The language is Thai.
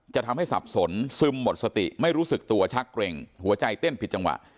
จะทำให้สับสนซึมหมดสติไม่รู้สึกตัวชักเกร็งหัวใจเต้นผิดจังหวะ